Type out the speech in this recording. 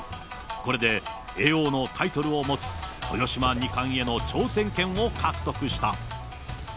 これで叡王のタイトルを持つ豊島二冠への挑戦権を獲得した。